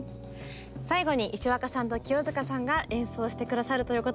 最後に石若さんと清塚さんが演奏して下さるということなんですが。